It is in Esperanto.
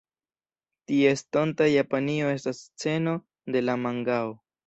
Tia estonta Japanio estas sceno de la mangao.